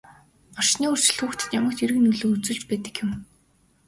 Орчны өөрчлөлт хүүхдэд ямагт эерэг нөлөө үзүүлж байдаг юм.